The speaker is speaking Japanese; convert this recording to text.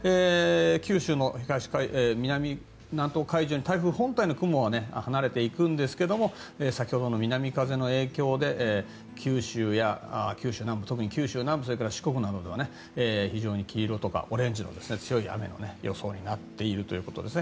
九州の南東海上に台風本体の雲は離れていくんですが先ほどの南風の影響で九州や特に九州南部それから四国などでは、非常に黄色とかオレンジの強い雨の予想になっているということです。